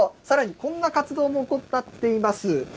さらにこんな活動も行っています。